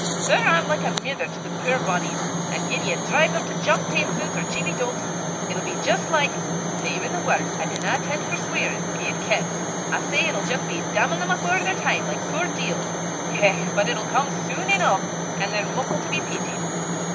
Sir, I'm like a mither to the puir bodies! An' gien ye drive them to Jock Thamson's, or Jeemie Deuk's, it'll be jist like savin' the word, I dinna inten' 't for sweirin', guid kens! I say, it'll jist be dammin' them afore their time, like the puir deils. Hech! but it'll come sune eneuch, an' they're muckle to be peetied!"